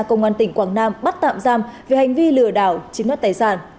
công an tỉnh quảng nam bắt tạm giam về hành vi lừa đảo chiếm đoạt tài sản